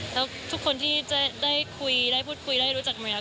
แล้วทุกคนที่ได้ฟูตคุยได้รู้จักมารียา